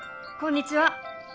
こんにちは！